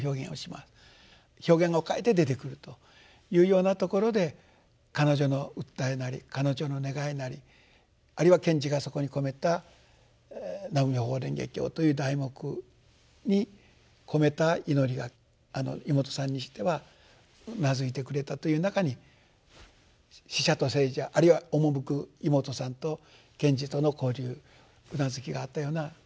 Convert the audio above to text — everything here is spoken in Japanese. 表現を変えて出てくるというようなところで彼女の訴えなり彼女の願いなりあるいは賢治がそこに込めた「南無妙法蓮華経」という題目に込めた祈りが妹さんにしてはうなずいてくれたという中に死者と生者あるいは赴く妹さんと賢治との交流うなずきがあったような。